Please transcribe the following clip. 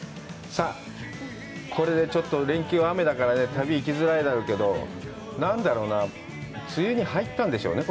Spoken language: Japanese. さあ、連休は雨だから旅行きづらいだろうけど何だろうなぁ、梅雨に入ったんでしょうね？